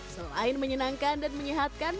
selain menyenangkan dan menyehatkan